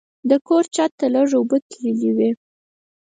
د کور چت ته لږ اوبه تللې وې.